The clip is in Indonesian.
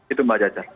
itu mbak jatjana